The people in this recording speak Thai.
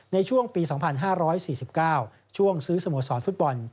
ในช่วงปี๒๕๔๙ช่วงซื้อสโมสรฟุตบอล